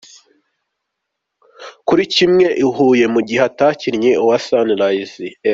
kuri cyimwe i Huye mu gihe atakinnye uwa Sunrise fc